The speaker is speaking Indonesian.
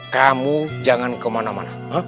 kamu jangan kemana mana